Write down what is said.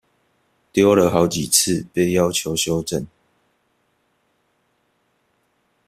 丟了好幾次被要求修正